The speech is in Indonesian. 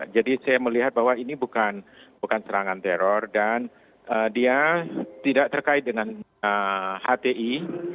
jadi saya melihat bahwa ini bukan bukan serangan teror dan dia tidak terkait dengan hti